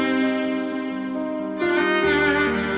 kenapa andin udah tidur sih